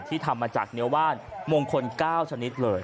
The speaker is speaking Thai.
ทำมาจากเนื้อว่านมงคล๙ชนิดเลย